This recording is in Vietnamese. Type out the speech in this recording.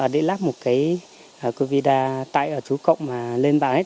để lắp một cái covid một mươi chín tại ở chú cộng mà lên bản ấy